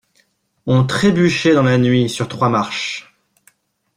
On trébuchait dans la nuit sur trois marches.